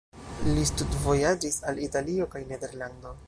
Li studvojaĝis al Italio kaj Nederlando.